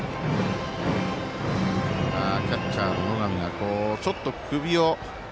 キャッチャーの野上がちょっと、首を。